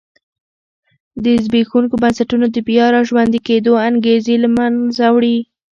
د زبېښونکو بنسټونو د بیا را ژوندي کېدو انګېزې له منځه وړي.